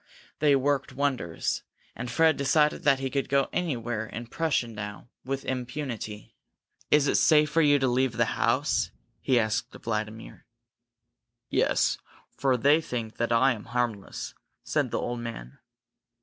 They worked wonders, and Fred decided that he could go anywhere in Prussia now with impunity. "Is it safe for you to leave the house?" he asked Vladimir. "Yes, for they think that I am harmless," said the old man.